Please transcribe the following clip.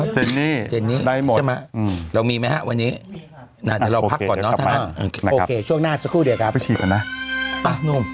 เจนี่ได้หมดเรามีมั้ยวันนี้โอเคช่วงหน้าสักครู่เดียวนะครับ